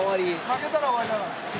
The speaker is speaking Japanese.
負けたら終わりだから。